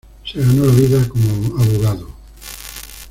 Se ganó la vida como abogado.